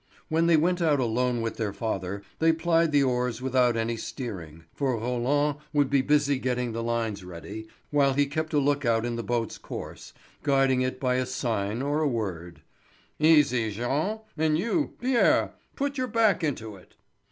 When they went out alone with their father they plied the oars without any steering, for Roland would be busy getting the lines ready, while he kept a lookout in the boat's course, guiding it by a sign or a word: "Easy, Jean, and you, Pierre, put your back into it."